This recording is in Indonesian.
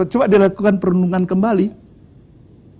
coba dia lakukan perundungan kembali ya